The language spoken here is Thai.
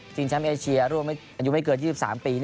แชมป์เอเชียร่วมอายุไม่เกิน๒๓ปี